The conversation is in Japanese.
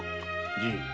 じい。